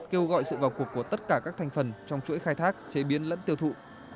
kêu gọi sự vào cuộc của tất cả các thành phần trong chuỗi khai thác chế biến lẫn tiêu thụ